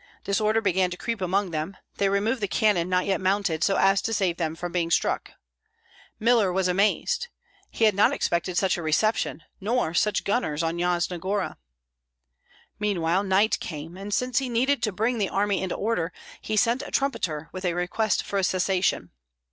Disorder began to creep among them; they removed the cannon not yet mounted, so as to save them from being struck. Miller was amazed; he had not expected such a reception, nor such gunners on Yasna Gora. Meanwhile night came, and since he needed to bring the army into order, he sent a trumpeter with a request for a cessation.